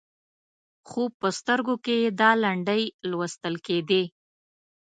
خو په سترګو کې یې دا لنډۍ لوستل کېدې.